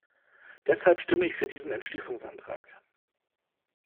Deshalb stimme ich für diesen Entschließungsantrag.